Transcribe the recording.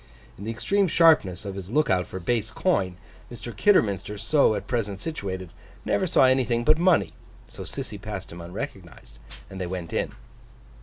In the extreme sharpness of his look out for base coin, Mr. Kidderminster, as at present situated, never saw anything but money; so Sissy passed him unrecognised, and they went in.